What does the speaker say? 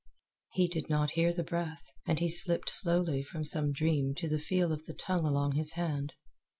He did not hear the breath, and he slipped slowly from some dream to the feel of the tongue along his hand.